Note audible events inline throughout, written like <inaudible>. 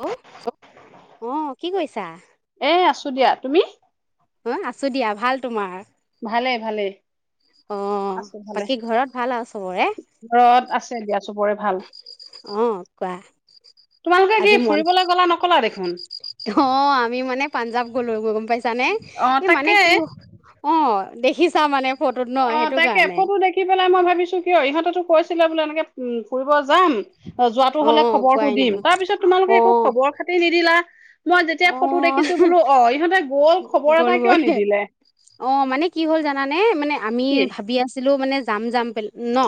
Hello অঁ কি কৰিছা এ আছো দিয়া তুমি অঁ আছো দিয়া ভাল তোমাৰ ভালে, ভালে অ আছে ভালে বাকী ঘৰত ভাল আৰু চবৰে ঘৰত আছে দিয়া চবৰে ভাল অ কোৱা তোমালোকে কি ফুৰিবলে গলা নকলা দেখোন ধন অঁ আমি মানে পাঞ্জাৱ গ'লো গৈ গম পাইছা নে অ এ মানে তাকে কি অ দেখিছা মানে ফটোত ন অঁ সেইটো তাকে কাৰণে ফটো দেখি পেলাই মই ভাবিছো কিয় ইহঁতেতো কৈছিলে বোলে এনেকে উম ফুৰিব যাম অঁ যোৱাটো অ হলে খবৰটো কোৱাই দিম নহয় তাৰপিছত তোমালোকে অ একো খবৰ খাতি নিদিলা মই যেতিয়া ফটো দেখিছো বোলো অঁ ইহঁতে ক গল বই অ মানে কি হ'ল জানানে মানে আমি কি ভাবি আছো তোৰ মানে যাম যাম ন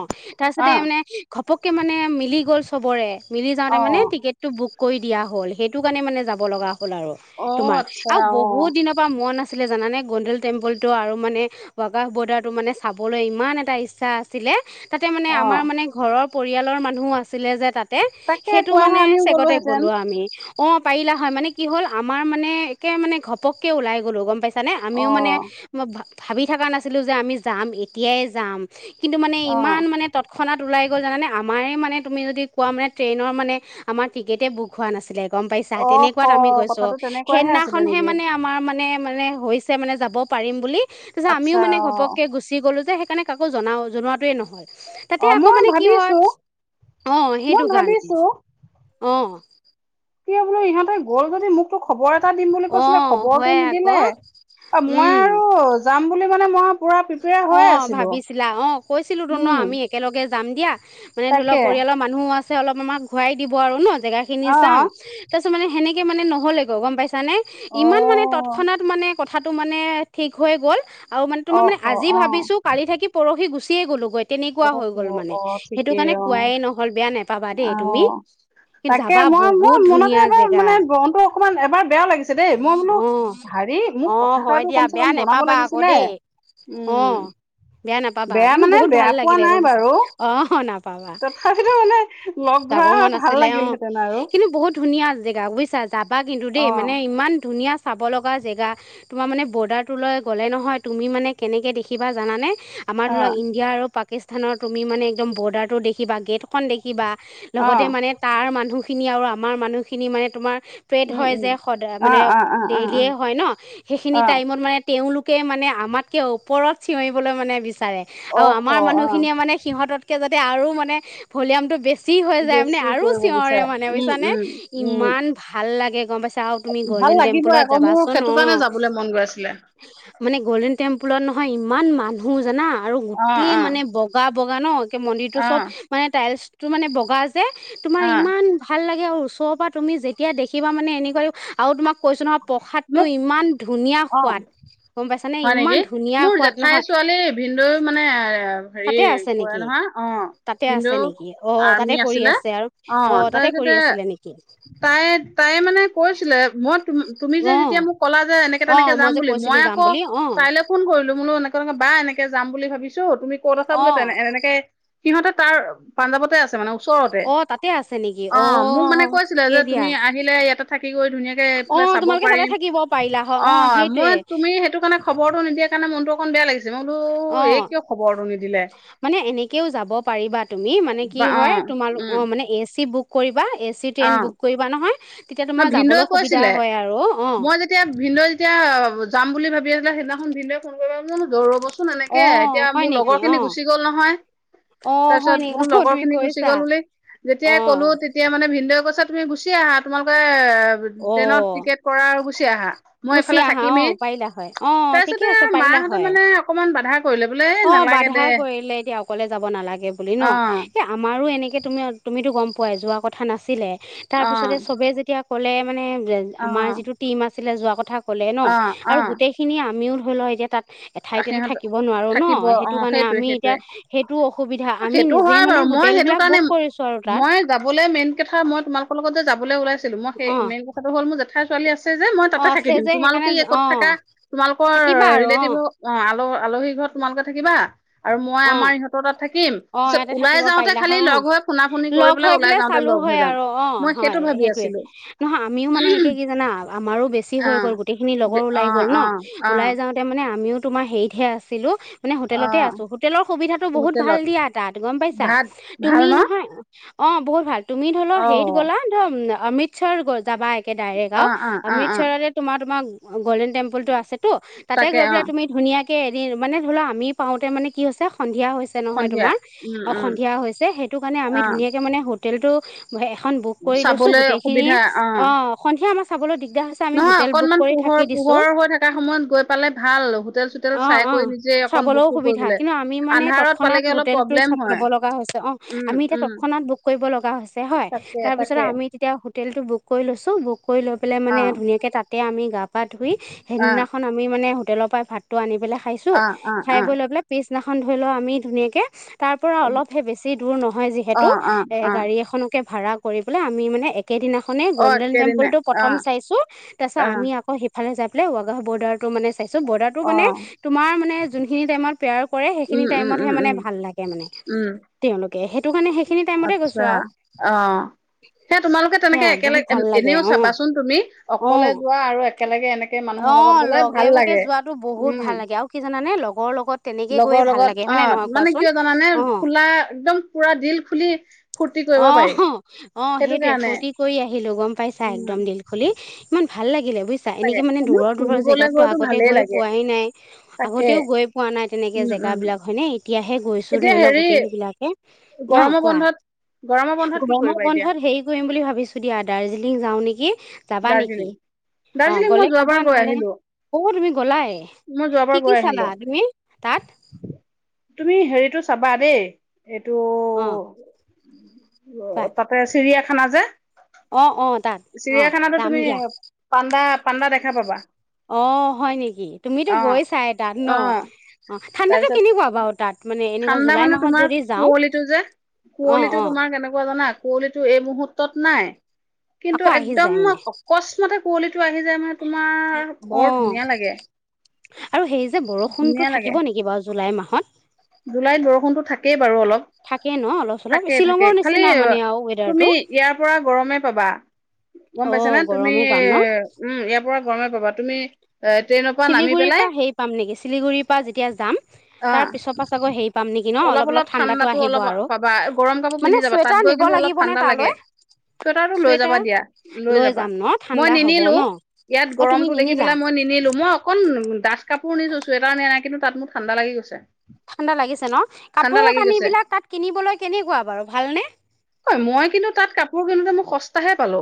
অ তাৰপিছতে মানে ঘপককে মানে মিলি গ'ল খবৰে মিলি অ যাওঁতে মানে টিকেটটো বুক কৰি দিয়া হ'ল সেইটো কাৰণে মানে যাব লগা হ'ল আৰু অ তোমাৰ আচ্ছা আৰু অ বহু ত বহুত দিনৰ পৰা মন আছে আছিলে জানে গোডেল টেম্পলটো আৰু মানে ৱাকশ বৰ্ডাৰটো মানে চাবলৈ ইমান এটা ইচ্ছা আছিলে তাতে মানে অ আমাৰ মানে ঘৰৰ পৰিয়ালৰ মানুহো আছিলে যে তাত তাকে সেইটো কোৱা মানে হয় আমিও চেগতে গলোহেঁতেন গলো আমি অঁ পাৰিলা হয় মানে কি হ'ল আমাৰ মানে একে মানে ঘপ ঘপকে ওলাই গল গম পাইছা তানে অ আমিও মানে মই ভা ভাবি থকা নাছিলোঁ যে আমি যাম এতিয়াই যাম কিন্তু মানে অ ইমান মানে তৎক্ষণাত ওলাই 'ল জানে আমাৰ মানে তুমি যদি কোৱা মানে ট্ৰেইনৰ মানে আমাৰ টিকেটেই বু হ নাছিলে। গম পাইছা অ স তেনেকুৱাত আমি গৈছো অঁ কথাটো তেনেকুৱাহে আছিলে সেইদিনাখনহে নেকি মানে মানে মানে হৈছে মানে যাব পাৰিম বুলি তাৰপিছত আমিও আচ্ছা মানে অ ঘপক গুচি গলো যে কানে কাকো জনাও জনোৱাটোৱেই নহ'ল। তাতে অ আকৌ মই মানে কি ভাবিছো হয় অহ সেইটো মই কাৰণে ভাবিছো অ। কিয় বোলো ইহঁতে গ'ল যদি মোকতো খবৰ এট- দিম বুলি অ কৈছিলে খবৰটো হয় নিদিলে আকৌ মই আৰু যাম বুলি মানে মই পুৰা প্ৰিপেয়াৰ হৈ অ', আছিলো ভাবিছিলা অ', কৈছিলুটো ন? উম আমি একেলগে যাম দিয়া। মানে ধৰি তাকে লওক পৰিয়ালৰ মানুহো আছে চছে অলপ আমাক ঘূৰাই দিব আৰু ন? জেগা খিনি অ চাম, তাৰপিছত মানে সেনেকে মানে নহ'লেগৈ গম পাইছে জানে অ ইমান মানে তৎক্ষণাত মানে কথাটো মানে ঠিক হৈ গ'ল আৰু মানে অ তোমাৰানে স আজি অ ভাবিছো কালি থাকি পৰ সি গুচিয়ে গলো গৈ অ', অ', ঠিকেই অ', কোৱাই নহ'ল বেয়া নেপাবা দেই তুমি আহ কিন্তু তাকে যাবা মই মই বহুত মনতে ধুনীয়া এবাৰ জেগা মানে মনটো অকমান এবাৰ বেয়া লাগিছে দেই মই বোলো অঁ হেৰি মোক অঁ হয় কথাষাৰটো কম চে কম জনাব লাগিছিলে। অ উম বেয়া নাপাবা বেয়া কিন্তু মানে বহুত ভাল বেয়া পোৱা নাই গম পাইছা বাৰু অ', নাপাবা তথাপিতো মানে লগ যাব ধৰা হয় মন ভাল আছিলে অ', লাগিলহেঁতেন আৰু কিন্তু বহুত ধুনীয়া জেগা বুজিছা। যাবা কিন্তু অ দেই, মানে ইমান ধুনীয়া চাব লগা জেগা তোমাৰ মানে বৰ্ডাৰটোলৈ গ'লে নহয় তুমি মানে কেনেকৈ দেখিবা জানানে? আমাৰ অ ধৰি লক ইণ্ডিয়া আৰু পাক পাকিস্তানৰ তুমি মানে একদম বৰ্ডাৰটো দেখিবা গেটখন দেখিবা। অ লগতে মানে তাৰ মানুহ খিনি আৰু আমাৰ মানুহখিনি মানে তোমাৰ প্ৰেড উম উম হৈজে সদায় অ মানে অ অ অ ডেইলী অ হয় ন। হে সেইখিনি অ টাইমওট মানে তেঁওলোক কে মানে আমাৰ কিয় ওপৰত চিঞৰিবলৈ মানে বি তাৰে আৰু অহ আমাৰ অ মানুহখিনিয়ে মানে সিহঁতত আৰু মানে ভলিউম টো বেছি যি হৈ যায় মানে, বেছি আৰু কৰিব চিঞৰে বিচাৰে মানে উম বুজিছানে, উম উম ইমান ভাল লাগে। গম পাঁচ ভাল লাগিব আকৌ। মোৰ সেইটো কাৰণেই যাবলৈ মন গৈ আছিলে। মান গ'ল্ডন টেম্পুলত নহয় ইমান মানুহ জানা? আৰু অ গোটেই অ মানে বগা বগা ন? মন্দিৰ টো অ চব মানে টাইলচ টো মানে বগা যে, তোমাৰ অ ইমান ভাল লাগে। এই ওচৰৰ পৰা তুমি যেতিয়া দেখিবা মানে, এনেকৈ আৰু তোমাক কৈছো নহয় প্ৰসাদ টো মোক ইমান ধুনীয়া ধুনীয়া অ সোৱাদ। গম পাইছা নে? হয় নেকি? মোৰ জেঠাই ছোৱালী ভিনদৌ মানে হেৰি তাতে আছে কৰে নেকি নহয়। অ' তাতে আছে ভনদৌ নেকি অ তাতে আৰ্মি কৰি আছিলে, আছে আৰু অ' তাতে কৰি তাৰপিছতে আছিলে নেকি তাই তাই মানে কৈছিলে মই তুমি যে অ যেতিয়া মোক ক'লা যে, এনেকে অ তেনেকে যাম যে বুলি, কৈছিলো মই যাম আকৌ বুলি অ তাইলৈ ফোন কৰিলো। বোলো এনেকে এনেকে বা, এনেকে যাম। বুলি ভাবিছো তুমি ক'ত আছা অ বোলো, তেনে এনেকে সিহঁতে তাৰ পাঞ্জাৱতে আছে মানে ওচৰতে। অ তাতে আছে নেকি অ' মোক মানে কৈছিলে, সেই যে দিয়া তুমি আহিলে ইয়াতে থাকি গৈ ধুনীয়াকে অ এইফালে চাব তোমালোকে তাতে পাৰিম। থাকিব পাৰিলা হয় অ' মই সেইটোয়ে তুমি সেইটো কাৰণে খবৰটো নিদিয়াৰ কাৰণে মনটো বেয়া লাগিছে। মই বোলো এই অ' কিয় খবৰটো নিদিলে মানে এনেকেও যাব পাৰিবা তুমি মানে কি বা অ হয় তুমাৰ উম এচি বুক কৰিবা এ চি ট্ৰেইন বুক কৰিবা নহয়। তেতিয়া মই তোমাৰ ভিনদই যাবলৈ সুবিধা কৈছিলে হয় আৰু অ মই যেতিয়া ভিনদৈ যেতিয়া যাম বুলি ভাবি আ সিদিনাখন ভিনদে ফোন কৰিবো ৰবচোন অ এনেকে এতিয়া হয় মোৰ নেকি লগৰ অ খিনি গুচি গ'ল নহয় অ তাৰ হয় পিছত নেকি অ বোলো লগৰ তুমি খিনি গুচি কৈছা গ'ল বুলি অ যেতিয়াই কলো তেতিয়া মানে ভিনন্দদে কৈছে তুমি গুচি আহা। তোমালোকে অ ট্ৰেইনত টিকট কৰা আৰু গুচি আহা মই গুচি এইফালে আহা অ থাকিমেই পাৰিলা হয় অ ঠিকে তাৰপিছতে আছে মা পাৰিলা হঁতে হয় মানে অকণমান বাধা কৰিলে বোলে এই অ' নালাগে দে বাধা কৰিলে এতিয়া অকলে যাব নালাগে বুলি ন অ এই আমাৰো এনেকে তাকে তুমি তুমিতো গম পোৱাই যোৱা কথা নাছিলে। তাৰ অ পিছতে চবে যেতিয়া ক'লে মানে অ আমাৰ যিটো টিম আছে আছিলে যোৱা কথা হ'লে ন অ অ আৰু গোটেইখিনি আমিও ভুল হয় যে তাত এঠাইওতে সিহঁত থাকিব। নোৱাৰো ন থাকিব অ সেইটো কাৰণে সেইটোৱে আমি এতিয়া সেইটোৱে সেইটো অসুবিধা আমি সেইটো নিজে হয় মানে বাৰু মই হোটেল সেইটো বিলাক বুক কাৰণে কৰিছো আৰু তাত মই যাবলে মেইন কথা মই তোমালোকৰ লগত যে যাম। বোলে উলাইছে মই সেই অ মেইন কথাটো হ'ল মোৰ যে হা ছোৱালী আছে। সেই যে মই অ তাতে থাকি আছে দিম যে সেইকাৰণে তোমালোকে কত অ থকা তোমালোকৰ থাকিবা আৰু অ ৰিলেটিভৰ অ আলহীৰ ঘৰত তোমালোকে থাকিবা। আৰু মই অ আমাৰ ইহঁতৰ তাত থাকিম অ পিছত ইয়াতে ওলাই থাকিব যাওঁতে পাৰিলা হ খালি অ লগ হৈ ফুনা ফুনি কৰি লগ পেলাই হৈ ওলাই পাই যাওঁতে চালো লগ হৈ হয় যাম আৰু অ মই সেইটো হয় ভাবি সেইটোয়ে আছিলো নহয় আমিও মানে এতিয়া কি জানা আমাৰো বেছি অ হৈ গ'ল গোটেইখিনি লগৰ অ ওলাই গ'ল ন অ অ ওলাই যাওঁতে মানে আমিও তোমাৰ হেৰিতহে আছিলো। মানে অ হোটেললতে আছে। হোটেলৰ সুবিধাটো বহুত ভাল হোটেলত দিয়া তাত গম পাইছা ভাত ভাল তুমি ন নহয় অ বহুত ভাল। তুমি ধৰিলোৱা অ হেৰিত গ'লা ধৰ অমিত শ্বাহৰ ঘৰ যাবাগে। কে ডাইৰেক্ট অ আৰু অ অ অ অমৃতচৰতে তোমাৰ তোমাক গ'ল্ডেন টেম্পলটো আছে। তো তাতে তাকে গৈ অ পেলাই তুমি ধুনীয়াকে কেইদিন মানে ধৰি লোৱা আমি পাওঁতে মানে কি কৈছা সন্ধিয়া হৈছে নহয় সন্ধিয়া তোমাৰ উম অ উম সন্ধিয়া হৈছে সেইটো কাৰণে আমি অ ধুনীয়াকে মানে তেলটো উবেৰ এখন বুক কৰি লৈছো চাবলৈ গোটেইখিনি অসুবিধা অ সন্ধিয়া মান চাবলৈ দিয়ে নহয় অকণমান পোহৰ পোহৰ হৈ থকা সময়ত গৈ পালে ভাল হোটেল চোটেল অ চাই অ কৰি নিজে অকন বুক চাবলৈও চুক সুবিধা কৰিবলৈ। কিন্তু আমি মানে আন্ধাৰত তৎক্ষণাত পালেগে অলপ হোটেলতটো প্ৰব্লেম চাব হয় লগা হৈছে অ উম আমি এতিয়া উম তৎক্ষণাত বুক কৰিব লগা হৈছে হয় তাকে তাৰপিছত তাকে আমি এতিয়া হোটেলটো বুক কৰি লৈছোঁ। কৰি লৈ পেলাই অ মানে ধুনীয়াকে তাতে আমি গা পা ধুই অ সেইদিনাখন আমি মানে হোটেলৰ পৰাই ভাতটো আনি পেলাই খাইছো অ অ খাই অ বৈ লৈ পেলাই সিদিনাখন ধৰিলোৱা আমি ধুনীয়াকে তাৰ পৰা অলপহে বেছি দূৰ নহয় অ যিহেতু অ এ অ গাড়ী এখনকে ভাড়া কৰি পেলাই আমি মানে এক সেইদিনাখনেই অ গ'ল্ডেন একেদিনাই টেম্পুলটো অ প্ৰথম চাইছো, তাৰপিছত অ আমি আকৌ সিফালে যা ৱাগাহ বৰ্ডাৰটো মানে চাইছো বৰ্ডাৰটো অ মানে তোমাৰ মানে যোনখিনি টাইমত <unintelligible> কৰে সেইখিনি উম উম টাইমতহে উম মানে উম ভাল লাগে মানে উম তেওঁলোক কে হে আচ্ছা অহ সেই তোমালোকে তেনেকে সেয়া বহুত একেলগে ভাল লাগে এনেও অ চাবাচোন তুমি অকলে যোৱা আৰু একেলগে এনেকে মানুহৰ লগত অহ গলে লগে ভাল ভাগে লাগে যোৱাতো বহুত উম ভাল লাগে আৰু কি জানানে লগৰ লগত তেনেকে গৈয়ে লগৰ ভাল লগত লাগে হয় নে অ' নহয় মানে কোৱাচোন। কিয় জানানে আহ, খোলা একদম পুৰা দিল খুলি ফূৰ্তি কৰিব পাৰি। অহ সেইটো সেইটোৱে কাৰণে ফুৰ্তি কৰি সি লগ গম পাইছা উম একদম দিল খুলি ইমান ভাল লাগিলে বুই লাগে সি মানে এনেও দূৰৰ দূৰৰ ফুৰিবলৈ জেগাতো গৈতো আগতে ভালেই গৈ লাগে পোৱাই নাই, তাকে আগতেও গৈ পোৱা নাই তেনেকে উম উম জেগাবিলাক হয়নে? এতিয়াহে গৈছো এতিয়া ধৰি লওক হেৰি গোটেই সেইবিলাকে অহ গৰমৰ কোৱা, বন্ধত গৰমৰ বন্ধত কি গৰমৰ কৰিবা এতিয়া বন্ধত হেৰি কৰিম বুলি ভাবিছো দিয়া দাৰ্জিলিং যাওঁ নেকি। দাৰ্জিলিং দাৰ্জিলিং মই যোৱা কোৱা নহ'লে অহ তুমি গলাই মই কি যোৱাবাৰ কি গৈ আহিলো চালা তুমি? তাত তুমি হেৰিটো চাবা দেই। এইটো অ কোৱা অহ তাতে চিৰিয়া খানা যে, অ অ তাত অ চিৰিয়াখানাতো যাম তুমি দিয়া পাণ্ডা পাণ্ডা দেখা পাবা। অহ হয় নেকি, তুমিতো অ' গৈ চাই তাত নহ অ' অহ ঠাণ্ডাটো তাৰপিছত কেনেকুৱা বাৰু তাত? মানে এনেকুৱা ঠাণ্ডা জুলাই মানেহ মাহত তোমাৰ যদি যাওঁ কুঁৱলীটো যে অ কুঁৱলীটো অ তোমাৰ কেনেকুৱা জানা কুঁৱলীটো এই মুহূৰ্তত নাই। আকৌ কিন্তু আহি একদম যায় মানে অকস্মতে কুঁৱলীটো আহি যায় মানে তোমাৰ অ বৰ ধুনীয়া লাগে। <unintelligible> আৰু সেই যে বৰষুণতো ধুনীয়া লাগে থাকিব নেকি বাৰু জুলাই মাহ হৎ জুলাইত বৰষুণতো থাকেই বাৰু অলপ থাকে ন অলপ চলপ থাকে থাকে শ্বিলঙৰ খালি নিচিনা মানে আৰু ৱেডাৰটো তুমি ইয়াৰ পৰা গৰমে পাবা গম অ পাইছ না তুমি গৰমেই পাম ন উম ইয়াৰ পৰা গৰমে পাবা তুমি ট্ৰেইনৰ পৰা নামি শিলিগুৰিৰ পেলাই পৰা হেই পাম নেকি শিলিগুড়িৰ পৰা যেতিয়া যাম অ তাৰ পিছৰ পা অলপ অলপ ঠাণ্ডাতো অলপ আৰু পাবা গৰম কাপোৰ মানে পিন্ধি যাবা তাত চুৱেটাৰ গৈ নিব কিন্তু অলপ লাগিব নে ঠাণ্ডা লাগে তালৈ চুৱেটাৰটো লৈ যাবা চুৱেটাৰ দিয়া লৈ যাবা যাম ন মই ঠাণ্ডা হ'ব নিনিলো ন ইয়াত অ তুমি গৰমটো দেখি নিনিলা পেলাই মই নিনিলো মই অকণ দাথ কাপোৰ শুনিছো ছুৱেতাৰ নেলাগে কিন্তু তাত মোৰ ঠাণ্ডা লাগি গৈছে ঠাণ্ডা লাগিছে ন ঠাণ্ডা কাপোৰ লাগি কানি গৈছে বিলাক তাত কিনিবলৈ কেনেকুৱা বাৰু ভালনে ঐ মই কিন্তু তাত কাপোৰ কিনোতে মই সচতাহে পালো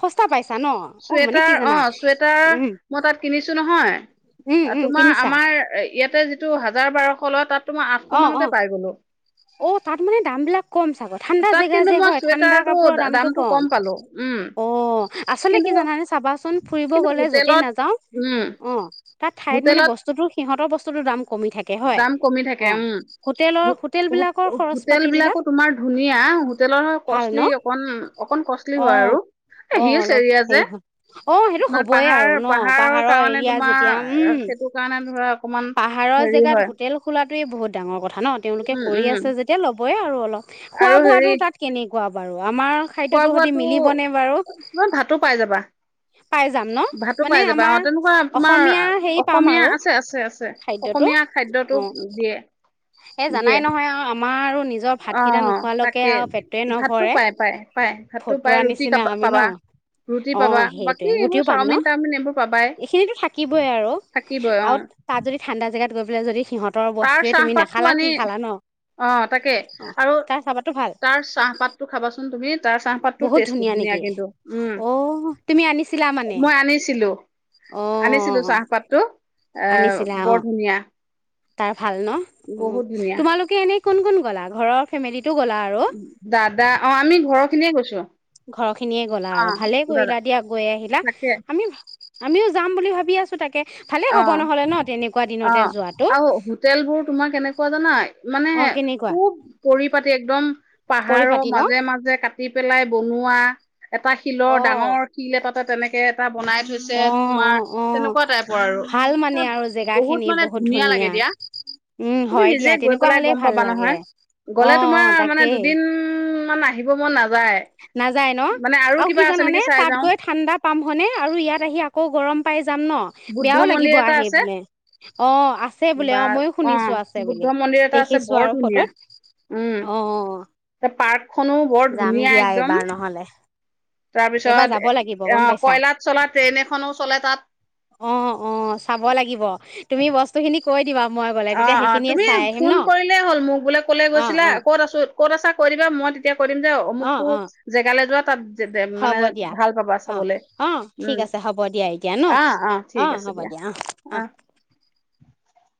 সস্তা পাইছা ন অ মানে চুৱেটাৰ কি অ জানা চুৱেটাৰ উম মই তাত কিনিছো নহয় উম উম তোমাৰ কিনিছা আমাৰ ইয়াতে যিটো হাজাৰ বাৰশ ফ'ল তাত তোমাৰ আঠশ অ অ মানতে পাই গলো অ তাত মানে দাম বিলাক কম চাব ঠাণ্ডা তাত জেগা কিন্তু যে মই হয় ঠাণ্ডা চুৱেটাৰটো কাপোৰৰ দামটো কম পালো উম অ আচলতে কিন্তু কি জানানে চাবাচোন ফুৰিব কিন্তু গ'লে য'তে হোটেলত নাযাওঁ উম অ তাত ঠাইত মানে হোটেলত বস্তুটো সিহঁতৰ বস্তটো দাম কমি থাকে হয় দাম কমি অ হোটেলৰ উম হোটেল হো বিলাকৰ খৰচ হোটেল পাতিবিলাক বিলাকো তোমাৰ ধুনীয়া হোটেলৰ ভাল ন কষ্টলি অকন অকন কষ্টলি অ হয় আৰু এ অ হিলচ অলপ এৰিয়া যে হেৰি হয় অ সেইটো মানে হ'বই পাহাৰ আৰু ন পাহাৰৰ কাৰণে এৰিয়া তোমাৰ যেতিয়া উম সেইটো কাৰণে ধৰা অকমান পাহাৰৰ হেৰিও জেগাত হয় হোটেল খোলাটোৱে বহুত ডাঙৰ কথা কথা ন তেওঁলোকে উম কৰি উম আছে যেতিয়া ল'ব হয় আৰু অলপ খোৱা আৰু হেৰি বোৱাটো তাত কেনেকে কোৱা বাৰু আমাৰ খোৱা খাদ্যটো বোৱা সৈতে টো মিলিবনে বাৰু তোমাৰ ভাতো পাই যাবা পাই যাম ন ভাতো মানে পাই যাবা অ আমাৰ তেনেকুৱা তোমাৰ অসমীয়া হেৰি পাম অসমীয়া আৰু আছে আছে আছে খাদ্যটো অসমীয়া খাদ্যত অ টো দিয়ে এই জানাই দিয়ে নহয় আৰু আমাৰ নিজৰ অ ভাতকেইটা নোখোৱালৈকে তাকে আৰু পেটটোৱে ভাতটো নভৰে পাই পাই পাই ভাতটো পাই ফতুৱা ৰুটি নিচিনা কাবা- আমি ন পাবা ৰুটি অ পাবা বাকী সেইটোয়ে এইবোৰ ৰুটিও পাম ন চাওমিন তাওমিন এইবোৰ পাবাই এইখিনিটো থাকিবই আৰু থাকিবই অ আৰু তাত যদি ঠাণ্ডা জেগা তাত গৈ পেলাই যদি সিহঁতৰ বস্তুৱে তুমি চাহপাততটো নাখালা আনি কি খালা ন অ তাকে অ আৰু তাৰ চাহপাতো ভাল তাৰ চাহপাতটো খাবাচোন তুমি? তাৰ চাহপাতটো বহুত টেষ্ট ধুনীয়া নেকি কিন্তু উম অ তুমি আনিছিলা মানে মই আনিছিলো অ আনিছিলো চাহপাতটো এে আনিছিলা বৰ অ ধুনীয়া তাৰ ভাল ন উ বহুত ধুনীয়া তোমালোকে এনে কোন কোন গ'লা ঘৰৰ ফেমিলিত। দাদা অ আমি ঘৰৰ খিনিয়ে গৈছো ঘৰ খিনিয়ে গলা অ আৰু ভালেই দাদা কৰিলা দিয়া গৈ আহিলা তাকে আমি আমিও যাম বুলি ভাবি আছো তাকে ভালে অ হ'ব নহ'লে ন তেনেকুৱা অ দিনতে যোৱাটো আৰু হোটেলবোৰ তোমাৰ কেনেকুৱা জানা মানে অ কেনেকুৱা খুব পৰিপাতি একদম পাহাৰৰ পৰিপাতি ন মাজে মাজে কাটি। কাটি পেলাই বনোৱা এটা শিলৰ অ ডাঙৰ শিল এ তাতে তেনেকে এটা বনাই থৈছে অ অ তোমাৰ অ তেনেকুৱা টাইপ ভাল মানে আৰু জেগা বহুত খিনি মানে ধুনীয়া লাগে দিয়া উম তুমি হয় নিজে দিয়া গৈ তেনেকুৱা পেলাই হলে গম ভাল পাবা লাগে নহয় অ গলে তোমাৰ মানে তাকেই দুদিন আহিব মন নাযাব। নাযায় ন আৰু কি আছে জানানে নেকি চাই তাত যাও গৈ ঠাণ্ডা পাম হয়নে আৰু ইয়াত আহি আকৌ গৰম পাই যাম ন। বুদ্ধ বেয়াও মন্দিৰ লাগিব এটা আহি আছে বোলে অ আছে বোলে বা অ মইয়ো শুনিছো আছে বুদ্ধ বোলে মন্দিৰ এটা আছে দেখিছো বৰ আৰু ফটোত অ পাৰ্কখননো বৰ যাম ধুনীয়া দিয়া এক এইবাৰ নহ'লে এইবাৰ যাব লাগিব গম অ' পাইছা কয়লাত চলা ট্ৰেইন এখনো চলে তাত অ অ চাব লাগিব। তুমি বস্তু খিনি কই দিবা। মই গ'লে অ তেতিয়া অ সেইখিনিয়ে তুমি চাই আহিম ন ফোন কৰিলেই হ'ল মোক বোলে কলে অ', গৈছিলা অ', ক'ত আছো ক'ত আছা। কৰিবা মই তেতিয়া কম যে অ', অমুকতটো অ', জেগালৈ যোৱাত। তাত মানে হ'ব দিয়া ভাল পাবা অ চাবলৈ অ ঠিক উম আছে হ'ব দিয়া এতিয়া ন অ' অ ঠিক আছে হ'ব দিয়া অ অ